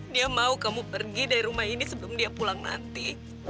dia mau kamu pergi dari rumah ini sebelum dia pulang nanti